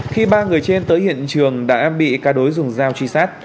khi ba người trên tới hiện trường đã bị các đối dùng dao truy sát